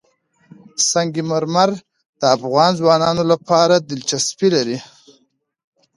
سنگ مرمر د افغان ځوانانو لپاره دلچسپي لري.